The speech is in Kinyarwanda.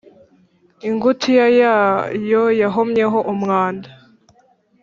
Ingutiya yayo yahomyeho umwanda,